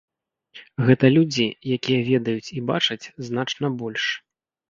Гэта людзі, якія ведаюць і бачаць значна больш.